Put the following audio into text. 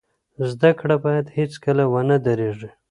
زده کړه باید هیڅکله ونه دریږي.